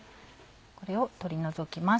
これを取り除きます。